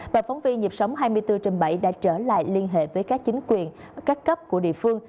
và phóng viên dịp sóng hai mươi bốn h bảy đã trở lại liên hệ với các chính quyền các cấp của địa phương